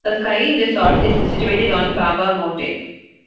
A ski resort is situated on the "Baba" mountain.